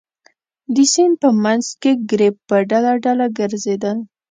د سیند په منځ کې ګرېب په ډله ډله ګرځېدل.